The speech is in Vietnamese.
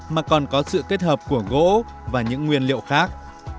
mà còn có sự kết hợp của gỗ và những nguyên liệu khác